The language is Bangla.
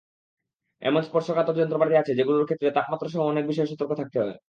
এমন স্পর্শকাতর যন্ত্রপাতি আছে, যেগুলোর ক্ষেত্রে তাপমাত্রাসহ অনেক বিষয়ে সতর্ক থাকতে হয়।